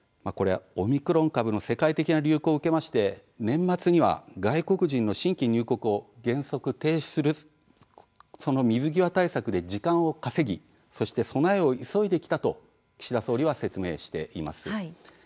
オミクロン株の世界的な流行を受けまして年末には外国人の新規入国を原則、停止するその水際対策で時間を稼ぎそして備えを急いできたと岸田総理は説明しています。